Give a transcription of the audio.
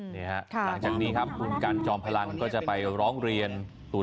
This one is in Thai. แม่น้ากายบางท่าตเป็นสิ่งที่ทีก้วาดของครู